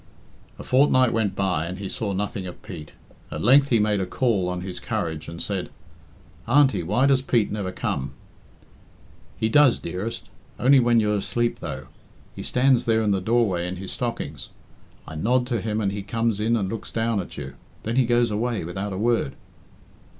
A fortnight went by and he saw nothing of Pete. At length he made a call on his courage and said, "Auntie, why does Pete never come?" "He does, dearest. Only when you're asleep, though. He stands there in the doorway in his stockings. I nod to him and he comes in and looks down at you. Then he goes away without a word."